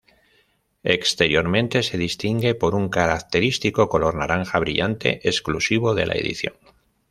Exteriormente se distingue por un característico color naranja brillante exclusivo de la edición.